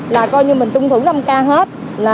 là coi như mình tuân thủ năm k hết